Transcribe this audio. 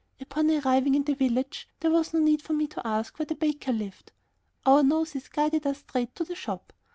Upon arriving in the village there was no need for me to ask where the baker lived; our noses guided us straight to the shop.